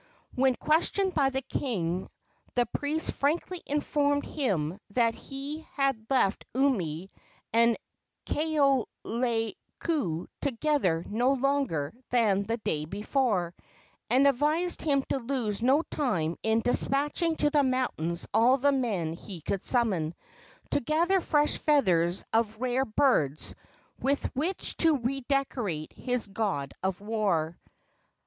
When questioned by the king the priests frankly informed him that they had left Umi and Kaoleioku together no longer than the day before, and advised him to lose no time in despatching to the mountains all the men he could summon, to gather fresh feathers of rare birds with which to redecorate his god of war.